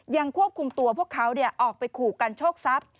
ยังควบคุมตัวพวกเขาออกไปขู่กันโชคทรัพย์